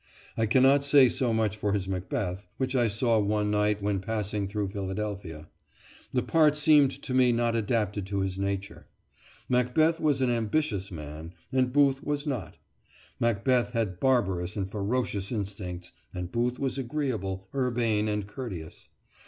I cannot say so much for his Macbeth, which I saw one night when passing through Philadelphia. The part seemed to me not adapted to his nature. Macbeth was an ambitious man, and Booth was not. Macbeth had barbarous and ferocious instincts, and Booth was agreeable, urbane, and courteous.